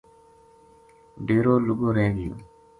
ڈیرو لُگو رہ گیو